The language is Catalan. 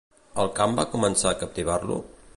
El camp va començar a captivar-lo?